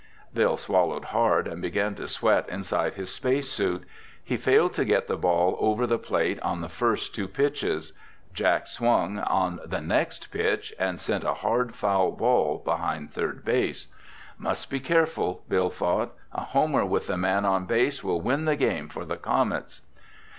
Bill swallowed hard and began to sweat inside his space suit. He failed to get the ball over the plate on the first two pitches. Jack swung on the next pitch and sent a hard foul ball behind third base. "Must be careful," Bill thought. "A homer with the man on base will win the game for the Comets."